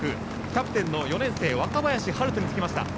キャプテンの４年生若林陽大につきました。